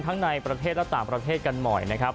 ในประเทศและต่างประเทศกันหน่อยนะครับ